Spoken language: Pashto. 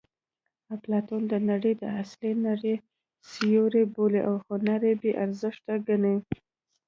اپلاتون دا نړۍ د اصلي نړۍ سیوری بولي او هنر یې بې ارزښته ګڼي